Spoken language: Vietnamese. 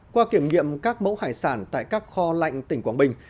qua kiểm nghiệm các mẫu hải sản tại các kho lạnh tỉnh quảng bình